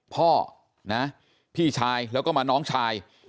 พ่อนะพี่ชายแล้วก็มาน้องชาย